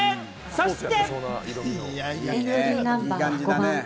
そして。